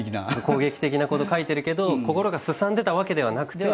攻撃的なこと描いてるけど心がすさんでたわけではなくて。